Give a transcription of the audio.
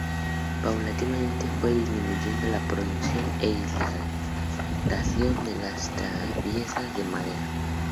Paulatinamente fue disminuyendo la producción e instalación de las traviesas de madera.